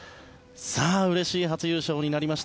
うれしい初優勝になりました。